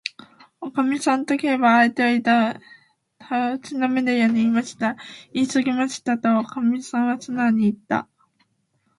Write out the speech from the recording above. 「おかみさん」と、Ｋ は相手をたしなめるようにいった。「いいすぎましたわ」と、おかみはすなおにいった。